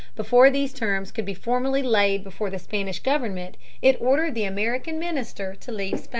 Before these terms could be formally laid before the Spanish government, it ordered the American minister to leave Spain.